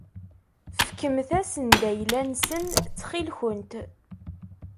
Fkemt-asen-d ayla-nsen ttxil-kent.